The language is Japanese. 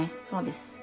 そうです。